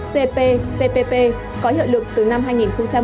cptpp có hiệu lực từ năm hai nghìn một mươi tám